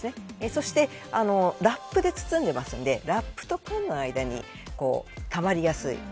そしてラップで包んでいますのでラップとパンの間にたまりやすい。